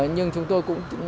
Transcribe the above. nhưng chúng tôi cũng